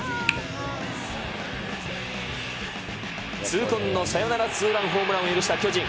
痛恨のサヨナラツーランホームランを許した巨人。